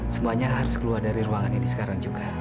semuanya harus keluar dari ruangan ini sekarang juga